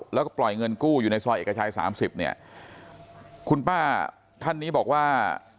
แล้วก็ปล่อยเงินกู้อยู่ในซอยเอกชัยสามสิบเนี่ยคุณป้าท่านนี้บอกว่า